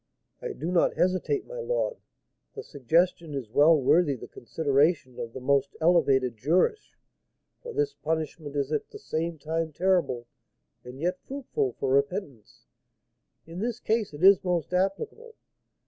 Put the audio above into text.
"I do not hesitate, my lord; the suggestion is well worthy the consideration of the most elevated jurists, for this punishment is at the same time terrible and yet fruitful for repentance. In this case it is most applicable.